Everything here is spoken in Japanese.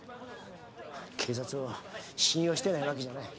警察を信用してないわけじゃない。